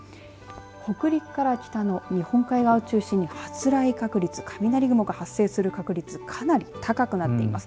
北陸から北の日本海側を中心に発雷確率、雷雲が発生する確率かなり高くなっています。